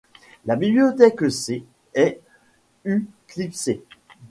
La bibliothèque C est uClibc.